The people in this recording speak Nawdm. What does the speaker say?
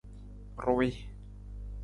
Ruwii.